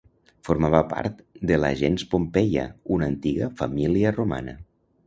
Formava part de la gens Pompeia, una antiga família romana.